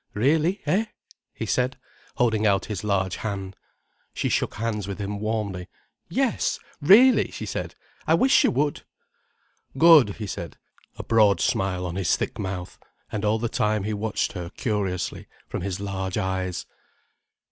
"Really, eh?" he said, holding out his large hand. She shook hands with him warmly. "Yes, really!" she said. "I wish you would." "Good," he said, a broad smile on his thick mouth. And all the time he watched her curiously, from his large eyes.